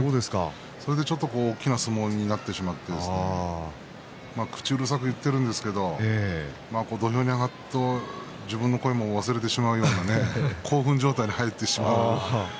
それで大きな相撲になってしまって口うるさく言っているんですが土俵に上がると自分を忘れてしまうような興奮状態に入ってしまう。